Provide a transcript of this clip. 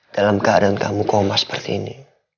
dalam keadaan kamu koma seperti ini